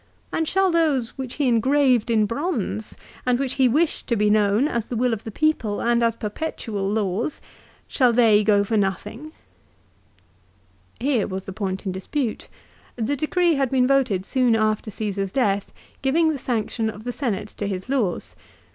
And shall those which he engraved in bronze and which he wished to be known as the will of the people and as perpetual laws, shall they go for nothing V 1 Here was the point in dispute. The decree had been voted soon after Caesar's death giving the sanction of the Senate to his laws.